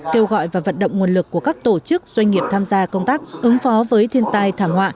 kêu gọi và vận động nguồn lực của các tổ chức doanh nghiệp tham gia công tác ứng phó với thiên tai thảm họa